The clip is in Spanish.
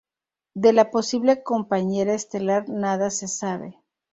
De la posible compañera estelar nada se sabe.